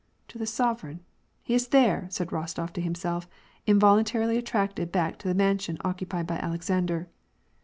To the sovereign ?— he is there !" said Bostof to himself, involuntarily attracted back to the mansion occupied by Alexander.